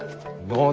何？